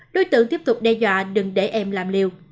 đối tượng tiếp tục đe dọa đừng để em làm liều